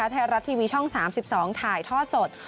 ไทยรัฐทีวีช่อง๓๒ถ่ายทอดสด